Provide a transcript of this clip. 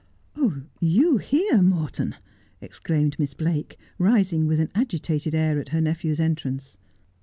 ' You here, Morton !' exclaimed Miss Blake, rising with an agi tated air at her nephew's entrance.